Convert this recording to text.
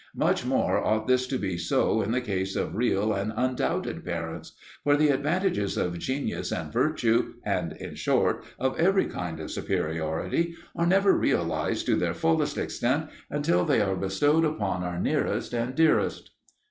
Much more ought this to be so in the case of real and undoubted parents. For the advantages of genius and virtue, and in short, of every kind of superiority, are never realized to their fullest extent until they are bestowed upon our nearest and dearest.